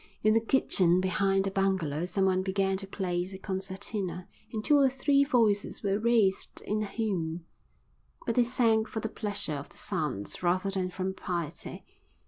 In the kitchen behind the bungalow someone began to play the concertina and two or three voices were raised in a hymn. But they sang for the pleasure of the sounds rather than from piety.